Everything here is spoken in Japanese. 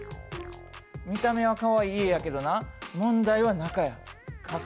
見た目はかわいい家やけどな問題は中や。